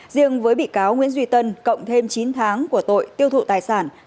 riêng với bị cáo nguyễn duy tân cộng thêm chín tháng của tội tiêu thụ tài sản